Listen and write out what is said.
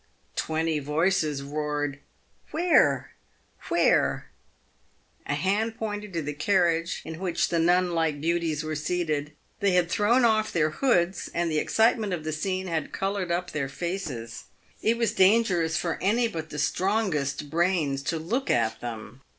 Twenty voices roared, "Where? Where?" A hand pointed to the carriage in which the nun like beauties were seated. They had thrown off their hoods, and the excitement of the scene had coloured up their faces. It was dangerous for any but the strongest brains to look at them.